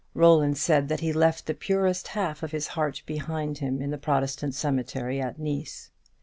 Roland said that he left the purest half of his heart behind him in the Protestant cemetery at Nice.